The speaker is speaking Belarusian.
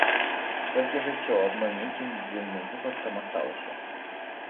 Толькі жыццё адно нейкім дзіўным выпадкам асталася.